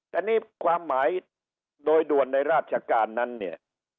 แต่นี่ความหมายโดยด่วนในราชการนั้นเนี่ย